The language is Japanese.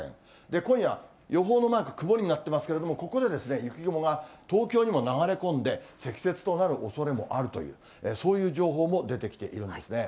今夜、予報のマーク、曇りになってますけれども、ここで雪雲が、東京にも流れ込んで、積雪となるおそれもあるという、そういう情報も出てきているんですね。